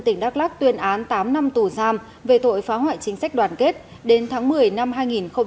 tỉnh đắk lắc tuyên án tám năm tù giam về tội phá hoại chính sách đoàn kết đến tháng một mươi năm